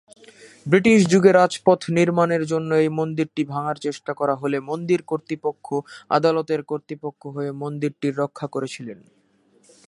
British যুগে রাজপথ নির্মাণের জন্য এই মন্দিরটি ভাঙার চেষ্টা করা হলে মন্দির কর্তৃপক্ষ আদালতের কর্তৃপক্ষ হয়ে মন্দিরটি রক্ষা করেছিলেন।